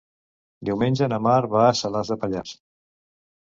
Diumenge na Mar va a Salàs de Pallars.